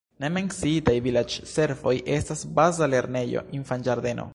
Ne menciitaj vilaĝservoj estas baza lernejo, infanĝardeno.